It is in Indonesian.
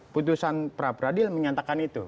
putusan pra peradilan menyatakan itu